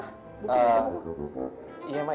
bukitnya berapa tuh